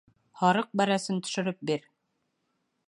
Һарыҡ бәрәсен төшөрөп бир...